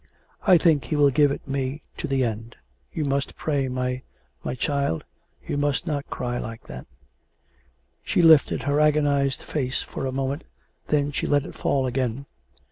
... I think He will give it me to the end. ... You must pray, my ... my child; you must not cry like that." (She lifted her agonized face for a moment, then she let it fall again.